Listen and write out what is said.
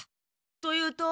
というと？